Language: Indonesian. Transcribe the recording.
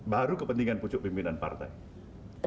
baru kepentingan pucuk pimpinan partai